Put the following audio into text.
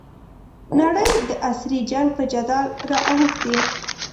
نړۍ د عصري جنګ په جدل رااوښتې.